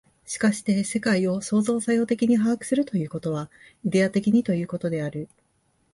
しかして世界を創造作用的に把握するということは、イデヤ的にということである。